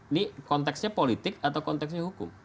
ini konteksnya politik atau konteksnya hukum